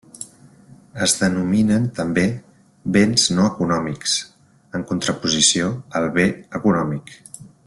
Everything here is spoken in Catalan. Es denominen també béns no econòmics, en contraposició al bé econòmic.